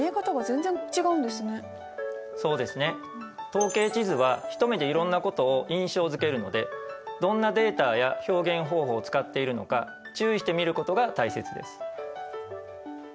統計地図は一目でいろんなことを印象づけるのでどんなデータや表現方法を使っているのか注意して見ることが大切です。